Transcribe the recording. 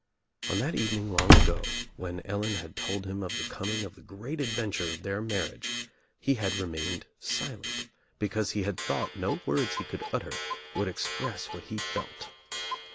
On that evening long ago when Ellen had told him of L the coming of the great adventure of their marriage I lie had remained silent because he had thought no ' words he could utter would express what he felt.